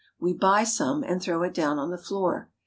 We buy some and throw it down on the floor.